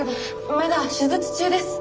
まだ手術中です。